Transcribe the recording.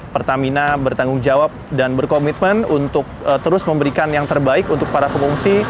pertamina bertanggung jawab dan berkomitmen untuk terus memberikan yang terbaik untuk para pengungsi